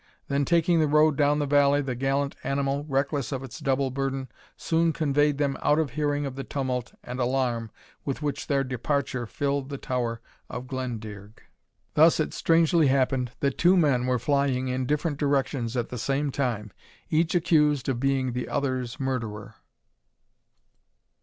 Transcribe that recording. Then taking the road down the valley, the gallant animal, reckless of its double burden, soon conveyed them out of hearing of the tumult and alarm with which their departure filled the Tower of Glendearg. Thus it strangely happened, that two men were flying in different directions at the same time, each accused of being the other's murderer.